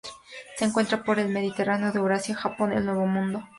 Se encuentran por el Mediterráneo, en Eurasia, Japón y el Nuevo Mundo.